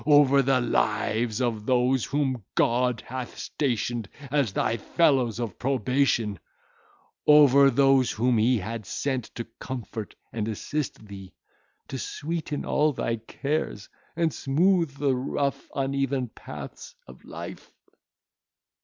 over the lives of those whom God hath stationed as thy fellows of probation;—over those whom he had sent to comfort and assist thee; to sweeten all thy cares, and smooth the rough uneven paths of life?